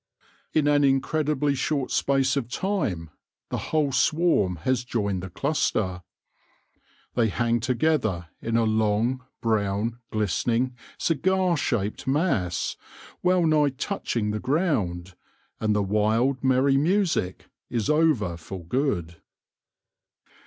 In an incredibly short space of time the whole swarm has joined the cluster ; they hang together in a long, brown, glistening, cigar shaped mass, well nigh touch ing the ground, and the wild, merry music is over for good.